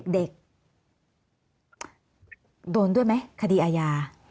เด็กโดนด้วยไหมคดีอาญา